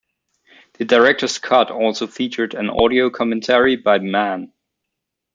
The Director's Cut also featured an audio commentary by Mann.